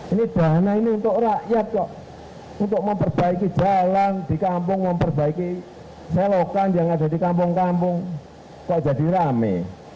ini dana ini untuk rakyat kok untuk memperbaiki jalan di kampung memperbaiki selokan yang ada di kampung kampung kok jadi rame